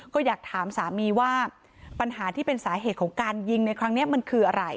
ก็อยากถามสามีว่าปัญหาที่เป็นสาเหตุของการยิงในครั้งนี้มันคืออะไร